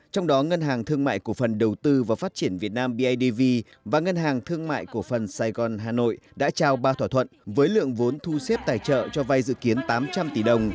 trong đó ngân hàng thương mại cổ phần đầu tư và phát triển việt nam bidv và ngân hàng thương mại cổ phần sài gòn hà nội đã trao ba thỏa thuận với lượng vốn thu xếp tài trợ cho vay dự kiến tám trăm linh tỷ đồng